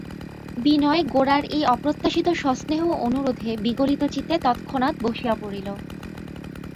বিনয় গোরার এই অপ্রত্যাশিত সস্নেহ অনুরোধে বিগলিতচিত্তে তৎক্ষণাৎ বসিয়া পড়িল।